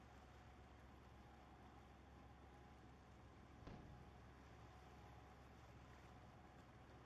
চার বছর পরপর কমনওয়েলথ গেমসে গর্জে ওঠে বাকির রাইফেল।